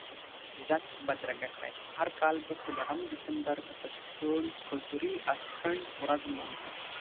ږغ بدرګه کړئ، هر کال به څلورم دسمبر د پښتون کلتوري اتڼ ورځ لمانځو